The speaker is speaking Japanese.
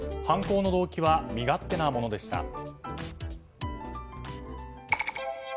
犯行の動機は身勝手なものでした。